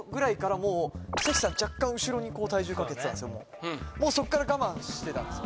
もうもうそこから我慢してたんですよ